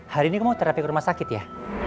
hari ini gue mau terapi ke rumah sakit ya